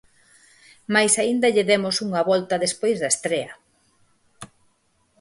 Mais aínda lle demos unha volta despois da estrea.